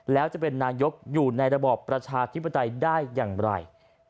แล้วจะเป็นนายกอยู่ในระบอบประชาธิปไตยได้อย่างไร